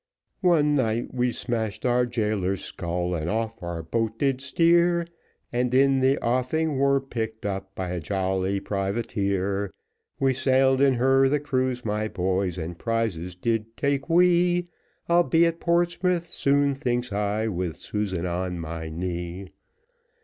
One night we smashed our jailer's skull and off our boat did steer, And in the offing were picked up by a jolly privateer; We sailed in her the cruise, my boys, and prizes did take we, I'll be at Portsmouth soon, thinks I, with Susan on my knee.